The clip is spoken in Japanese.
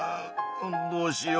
どうしよう。